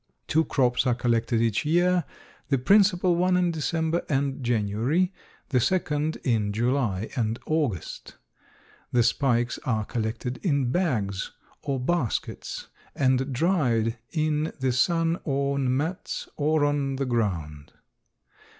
Two crops are collected each year, the principal one in December and January, the second in July and August. The spikes are collected in bags or baskets and dried in the sun on mats or on the ground.